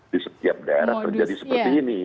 di setiap daerah terjadi seperti ini